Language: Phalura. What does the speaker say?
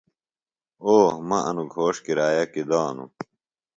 او مہ انوۡ گھوݜٹ کرایہ کیۡ دانوۡ۔